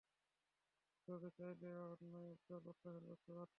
তবে, চাইলে ওর অন্যায় আবদার প্রত্যাখ্যান করতে পারতেন।